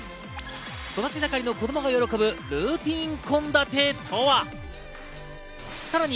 育ち盛りの子供が喜ぶルーティン献立とは？